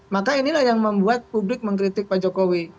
maka inilah yang membuat publik mengkritik pak jokowi